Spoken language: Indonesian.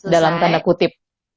dalam tanda kutip